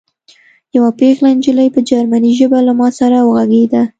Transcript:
یوه پېغله نجلۍ په جرمني ژبه له ما سره وغږېده